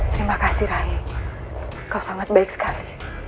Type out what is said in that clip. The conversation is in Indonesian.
terima kasih rai kau sangat baik sekali